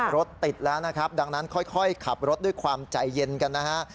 รถติดแล้วนะครับดังนั้นค่อยขับรถด้วยความใจเย็นกันนะฮะ